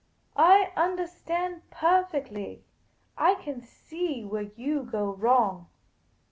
I understand perfectly. I can see where you go wrong.